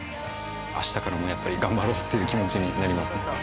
明日からもやっぱり頑張ろうっていう気持ちになりますね。